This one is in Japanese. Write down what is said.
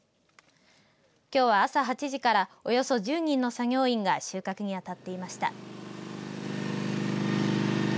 きょうは朝８時からおよそ１０人の作業員が収穫に当たっていました。